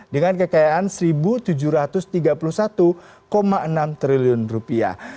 dengan kekayaan satu tujuh ratus tiga puluh satu enam triliun rupiah